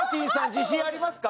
自信ありますか？